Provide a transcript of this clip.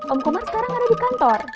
om komar sekarang ada di kantor